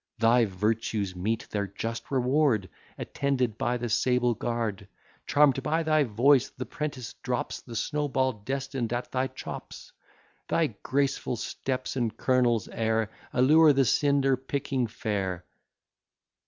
Thy virtues meet their just reward, Attended by the sable guard. Charm'd by thy voice, the 'prentice drops The snow ball destined at thy chops; Thy graceful steps, and colonel's air, Allure the cinder picking fair.